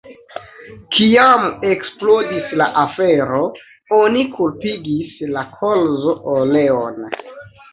Kiam eksplodis la afero, oni kulpigis la kolzo-oleon.